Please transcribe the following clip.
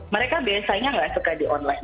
mereka biasanya nggak suka di online